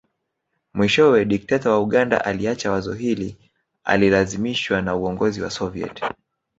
Mwishowe dikteta wa Uganda aliacha wazo hili alilazimishwa na uongozi wa Soviet